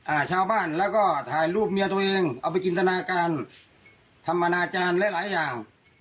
อ่าชาวบ้านแล้วก็ถ่ายรูปเมียตัวเองเอาไปจินตนาการทำอนาจารย์หลายหลายอย่าง